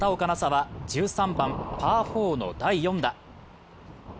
紗は１３番・パー４の第４打。